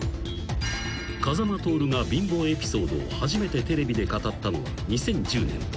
［風間トオルが貧乏エピソードを初めてテレビで語ったのは２０１０年］